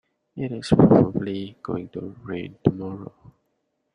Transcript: It is probably going to rain tomorrow.